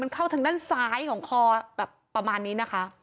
เข้าทางด้านซ้ายของคอแบบประมาณนี้นะคะ